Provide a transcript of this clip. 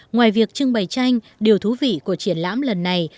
ngoài việc trưng bày tranh điều thú vị của triển lãm lần này